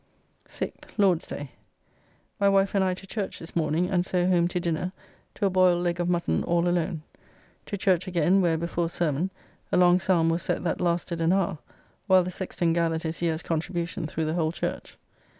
6th (Lord's day). My wife and I to church this morning, and so home to dinner to a boiled leg of mutton all alone. To church again, where, before sermon, a long Psalm was set that lasted an hour, while the sexton gathered his year's contribucion through the whole church.